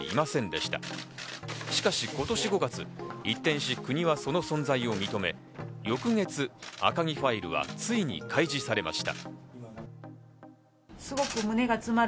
しかし今年５月、一転し、国はその存在を認め、翌月、赤木ファイルはついに開示されました。